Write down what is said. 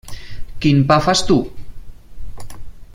Quin pa fas tu?